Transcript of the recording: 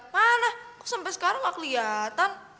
mana kok sampe sekarang gak keliatan